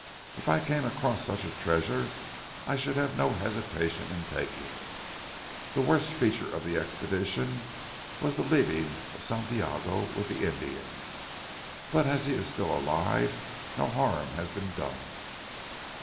If I came across such a treasure I should have no hesitation in taking it. The worst feature of the expedition was the leaving of Santiago with the Indians, but as he is still alive, no harm has been done."